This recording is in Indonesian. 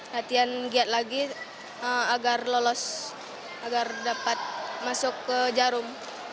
latihan giat lagi agar lolos agar dapat masuk ke jarum